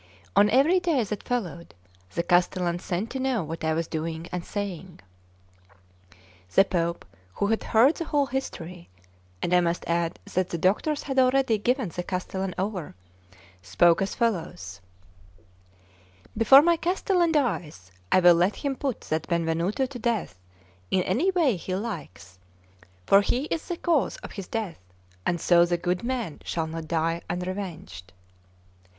On every day that followed, the castellan sent to know what I was doing and saying. The Pope, who had heard the whole history (and I must add that the doctors had already given the castellan over), spoke as follows: "Before my castellan dies I will let him put that Benvenuto to death in any way he likes, for he is the cause of his death, and so the good man shall not die unrevenged."